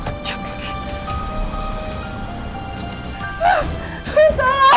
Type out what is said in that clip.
aduh penjat lagi